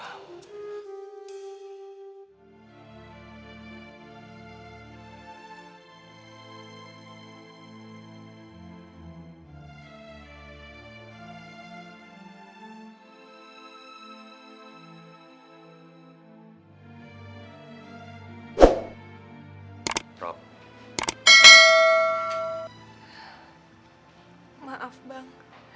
hanya yakin siang